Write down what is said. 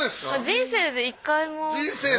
人生で１回も？